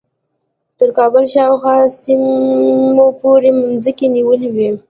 تر کابل شاوخوا سیمو پورې مځکې نیولې وې.